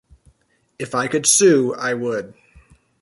If I could sue, I would.